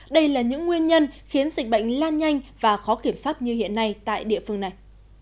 đây là những nguyên nhân khiến dịch bệnh lan nhanh và khó kiểm soát như hiện nay tại địa phương này